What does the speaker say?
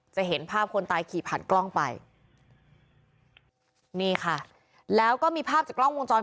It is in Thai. จะเห็นภาพคนตายขี่ผ่านกล้องไปนี่ค่ะแล้วก็มีภาพจากกล้องวงจร